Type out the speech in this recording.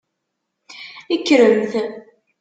Kkremt.